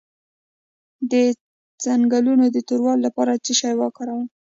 د څنګلو د توروالي لپاره باید څه شی وکاروم؟